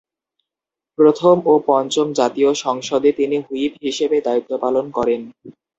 প্রথম ও পঞ্চম জাতীয় সংসদে তিনি হুইপ হিসেবে দায়িত্ব পালন করেন।